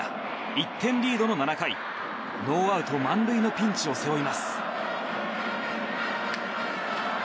１点リードの７回ノーアウト満塁のピンチを背負います。